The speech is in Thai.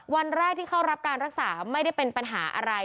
วันแรกที่เข้ารับการรักษาไม่ได้เป็นปัญหาอะไร